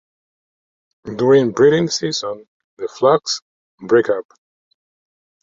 During breeding season the flocks break up.